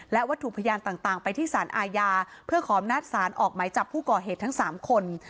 และวัตถุพยานต่างไปที่สารอาญาเพื่อขออำนาจศาลออกไหมจับผู้ก่อเหตุทั้ง๓คน